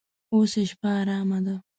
اوس یې شپه ارامه ده.